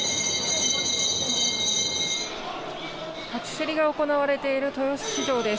初競りが行われている豊洲市場です。